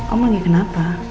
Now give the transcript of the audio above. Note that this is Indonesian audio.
om lagi kenapa